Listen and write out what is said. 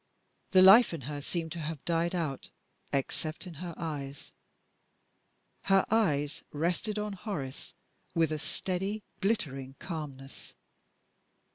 The life in her seemed to have died out, except in her eyes. Her eyes rested on Horace with a steady, glittering calmness.